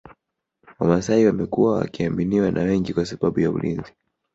wamasai wamekuwa wakiaminiwa na wengi kwa sababu ya ulinzi